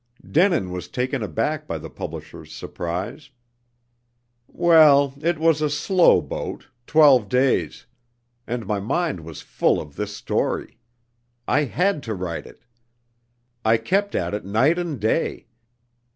Denin was taken aback by the publisher's surprise. "Well, it was a slow boat twelve days. And my mind was full of this story. I had to write it. I kept at it night and day.